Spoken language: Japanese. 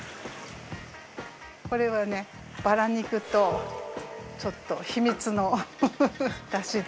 これはバラ肉とちょっと秘密の出汁で。